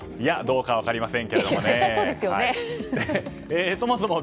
どうか分かりませんけどね。